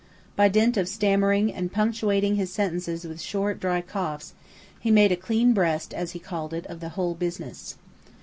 By dint of stammering, and punctuating his sentences with short, dry coughs, he made "a clean breast," as he called it, of the "whole business."